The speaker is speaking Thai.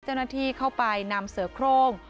เจ้าหน้าที่เข้าไปนำเสือโครง